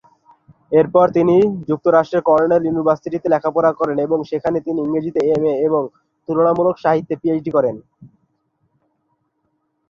এরপরে তিনি যুক্তরাষ্ট্রের কর্নেল ইউনিভার্সিটিতে লেখাপড়া করেন এবং সেখানে তিনি ইংরেজিতে এমএ এবং তুলনামূলক সাহিত্যে পিএইচডি করেন।